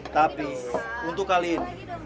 tapi untuk kalian